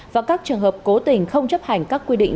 và các trường hợp cố tình không chấp hành các quy định